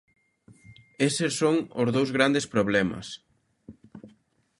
¿Eses son os dous grandes problemas?